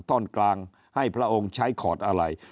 ตอนกลางให้พระองค์ใช้ขอดอะไร